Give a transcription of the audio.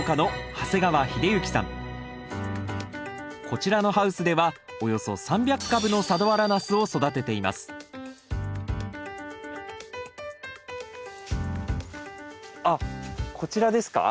こちらのハウスではおよそ３００株の佐土原ナスを育てていますあっこちらですか？